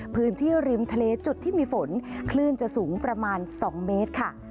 พื้นที่ริมทะเลจุดที่มีฝนคลื่นจะสูงประมาณ๒เมตรค่ะ